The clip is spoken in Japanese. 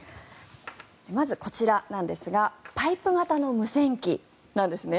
まず、こちらなんですがパイプ型の無線機なんですね。